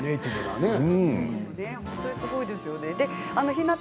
すごいですよね。